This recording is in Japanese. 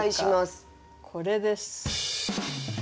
これです。